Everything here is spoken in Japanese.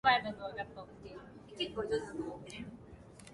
嵐や手からかみなりなどをおこす